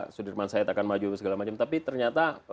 sudirman said akan maju segala macam tapi ternyata